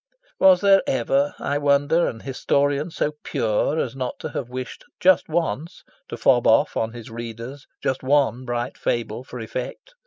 Was there ever, I wonder, an historian so pure as not to have wished just once to fob off on his readers just one bright fable for effect?